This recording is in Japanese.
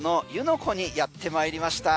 湖にやってまいりました。